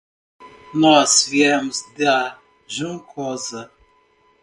Nós viemos da Juncosa.